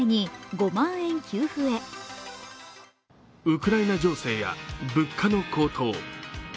ウクライナ情勢や物価の高騰。